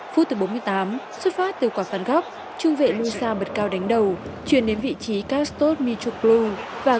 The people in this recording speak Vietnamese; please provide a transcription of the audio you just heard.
phút từ bốn mươi tám xuất phát từ quảng phát góc trung vệ luisa bật cao đánh đầu chuyển đến vị trí castor mitropoulos và cựu ly rất gần